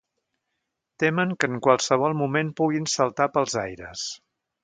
Temen que en qualsevol moment puguin saltar pels aires.